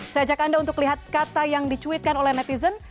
saya ajak anda untuk lihat kata yang dicuitkan oleh netizen